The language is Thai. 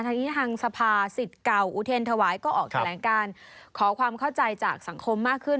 ทางนี้ทางสภาสิทธิ์เก่าอุเทรนธวายก็ออกแถลงการขอความเข้าใจจากสังคมมากขึ้น